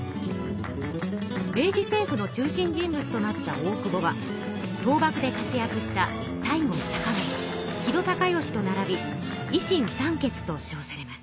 明治政府の中心人物となった大久保は倒幕で活躍した西郷隆盛木戸孝允とならび維新三傑としょうされます。